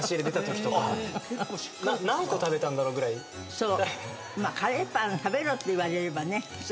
そう。